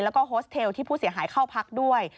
แล้วก็โฮสเทลที่ผู้เสียหายเข้าพักด้วย